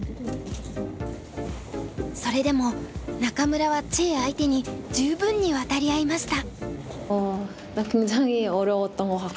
それでも仲邑はチェ相手に十分に渡り合いました。